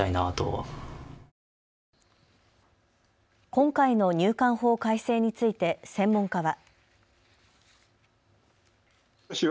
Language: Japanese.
今回の入管法改正について専門家は。